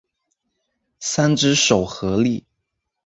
三只手合力。